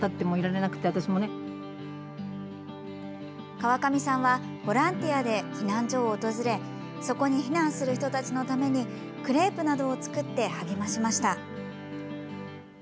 川上さんはボランティアで避難所を訪れそこに避難する人たちのためにクレープなどを作って励ましました。